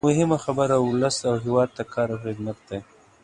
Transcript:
مهمه خبره ولس او هېواد ته کار او خدمت دی.